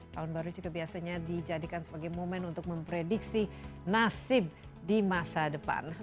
tahun baru dikebiaskan dicarikan sebagai momen untuk memprediksi nasib di masa depan coeur